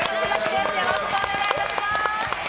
よろしくお願いします。